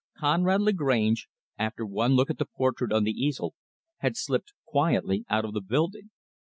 Conrad Lagrange, after one look at the portrait on the easel, had slipped quietly out of the building.